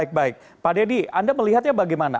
baik baik pak deddy anda melihatnya bagaimana